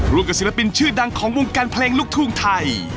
กับศิลปินชื่อดังของวงการเพลงลูกทุ่งไทย